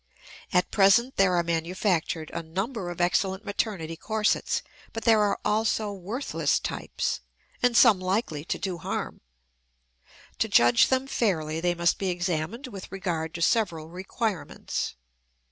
At present there are manufactured a number of excellent maternity corsets; but there are also worthless types, and some likely to do harm. To judge them fairly they must be examined with regard to several requirements.